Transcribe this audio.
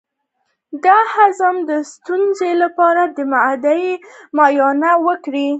د هضم د ستونزې لپاره د معدې معاینه وکړئ